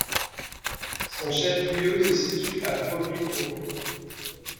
Son chef-lieu se situe à Fauville-en-Caux.